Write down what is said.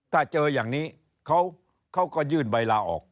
ถ้าเจออย่างนี้เขาก็ยื่นใบลาออก